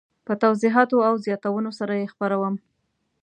په توضیحاتو او زیاتونو سره یې خپروم.